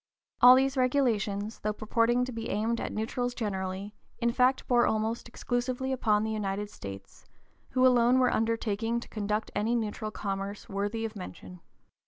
All these regulations, though purporting to be aimed at neutrals generally, in fact bore almost exclusively upon the United States, who alone were undertaking to conduct any neutral commerce worthy of mention.